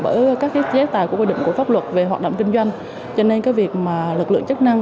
bởi các giá tài của quy định của pháp luật về hoạt động kinh doanh cho nên cái việc mà lực lượng